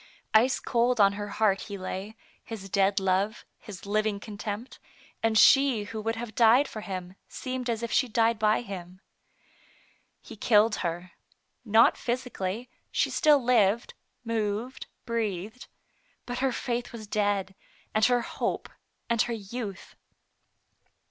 Ice cold on her heart he lay, his dead love, his living contempt, and she who would have died for him, seemed as if she died by him. Digitized by Google FRANK DANB V. 149 He killed her. Not physically; she still lived, moved, breathed, but her faith was dead, and her hope, and her youth.